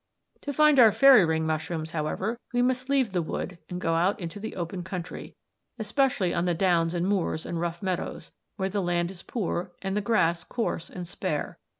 "To find our fairy ring mushrooms, however, we must leave the wood and go out into the open country, especially on the downs and moors and rough meadows, where the land is poor and the grass coarse and spare.